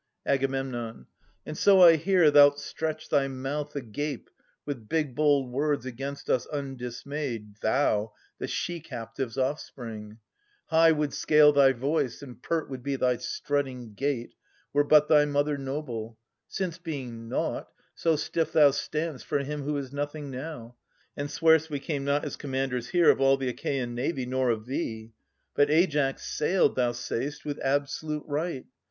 Ag. And so I hear thou'lt stretch thy mouth agape With big bold words against us undismayed — Thou, the she captive's offspring ! High would scale Thy voice, and pert would be thy strutting gait, Were but thy mother noble ; since, being naught. So stiff thou stand'st for him who is nothing now, And swear'st we came not as commanders here Of all the Achaean navy, nor of thee ; But Aias sailed, thou say'st, with absolute right.